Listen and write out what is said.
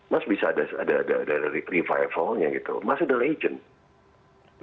mas bisa ada revival nya gitu mas itu legend